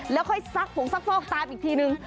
แล้วค่อยซักผงซักฟอกตามอีกทีนึง